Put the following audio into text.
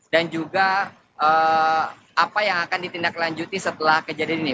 dan juga apa yang akan ditindaklanjuti setelah kejadian ini